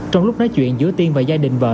trong lúc nói chuyện giữa tiên và gia đình vợ